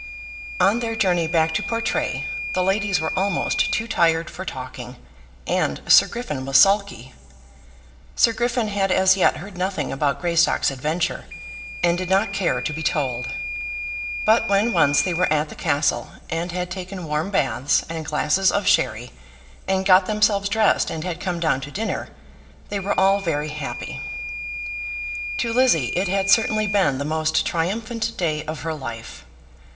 On their journey back to Portray, the ladies were almost too tired for talking; and Sir Griffin was sulky. Sir Griffin had as yet heard nothing about Greystock's adventure, and did not care to be told. But when once they were at the castle, and had taken warm baths, and glasses of sherry, and got themselves dressed and had come down to dinner, they were all very happy. To Lizzie it had certainly been the most triumphant day of her life.